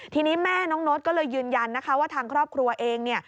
ทีนี้แม่น้องโน๊ตก็เลยยืนยันนะคะว่าทางครอบครัวเอง